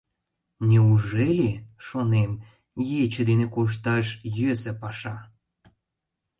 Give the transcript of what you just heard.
«Неужели, шонем, ече дене кошташ йӧсӧ паша?